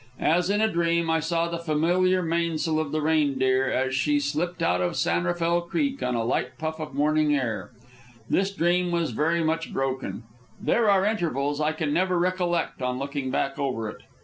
As in a dream, I saw the familiar mainsail of the Reindeer as she slipped out of San Rafael Creek on a light puff of morning air. This dream was very much broken. There are intervals I can never recollect on looking back over it.